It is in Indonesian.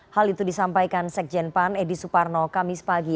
hal itu disampaikan sekjen pan edi suparno kamis pagi